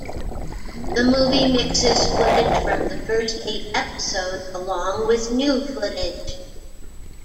The movie mixes footage from the first eight episodes along with new footage.